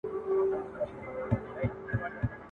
شالمار په وینو رنګ دی د مستیو جنازې دي ..